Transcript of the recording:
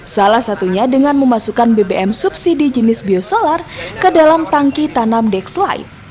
salah satunya dengan memasukkan bbm subsidi jenis biosolar ke dalam tangki tanam dexlite